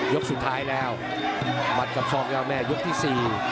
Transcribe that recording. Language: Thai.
ยกสุดท้ายแล้วมัดกับฟองยาวแม่ยกที่สี่